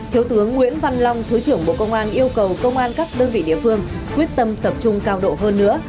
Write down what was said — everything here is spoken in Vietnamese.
thiếu tướng nguyễn văn long thứ trưởng bộ công an yêu cầu công an các đơn vị địa phương quyết tâm tập trung cao độ hơn nữa